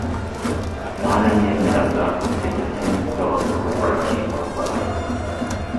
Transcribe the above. Yohana ntiyemeraga ubutegetsi bw’abakuru b’Urukiko rw’Abayuda